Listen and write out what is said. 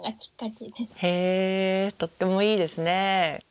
へえとってもいいですね。